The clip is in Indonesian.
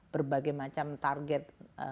berbagai macam target